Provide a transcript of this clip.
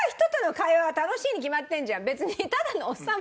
別にただのおっさん